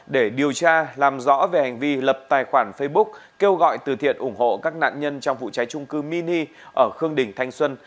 để điều tra làm rõ về hành vi lập tài khoản facebook kêu gọi từ thiện ủng hộ các nạn nhân trong vụ cháy trung cư mini ở khương đình thanh xuân